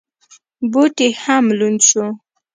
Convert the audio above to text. بوټ یې هم لوند شو.